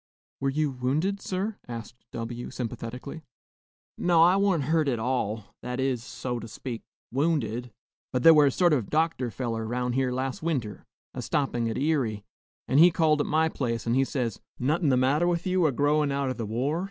"Were you wounded, sir?" asked W , sympathetically. "No, I wa'n't hurt at all, that is, so to speak, wounded. But thar were a sort of a doctor feller 'round here las' winter, a stoppin' at Erie; an' he called at my place, an' he says, 'No'hun the matter wi' you, a growin out o' the war?'